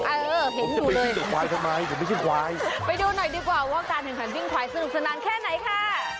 เออเห็นดูเลยไปดูหน่อยดีกว่าว่าการถึงฝันวิ่งควายสนุกสนันแค่ไหนค่ะ